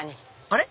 あれ？